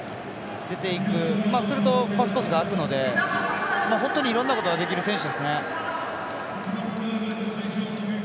出ていく、するとパスコースが空くので本当にいろんなことができる選手ですよね。